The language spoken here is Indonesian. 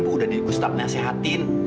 ibu udah di gustaf nasihatin